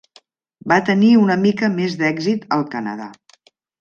Va tenir una mica més d'èxit al Canadà.